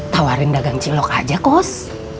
tawarin dagang cilok aja coach